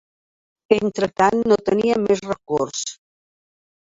Entretant no tenia més recurs